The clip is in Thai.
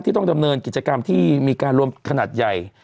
ต้องดำเนินกิจกรรมที่มีการรวมขนาดใหญ่